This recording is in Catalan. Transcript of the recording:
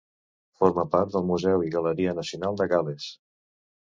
Forma part del Museu i Galeria Nacional de Gal·les.